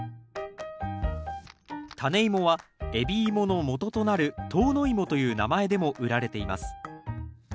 タネイモは海老芋のもととなる唐の芋という名前でも売られています。